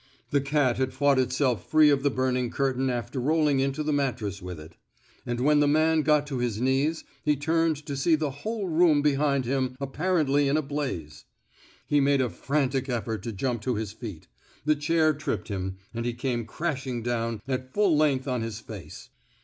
The cat had fought itself free of the burning curtain after rolling into the mattress with it. And when the man got to his knees he turned to see the whole room behind him apparently in a blaze. He made a frantic effort to jump to his feet; the chair tripped him, and he came crashing down at full length on his face.